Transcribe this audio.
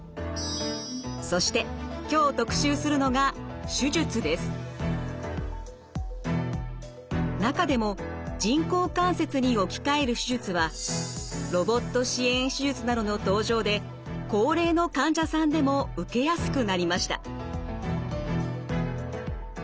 そして今日特集するのが中でも人工関節に置き換える手術はロボット支援手術などの登場で高齢の患者さんでも受けやすくなりました。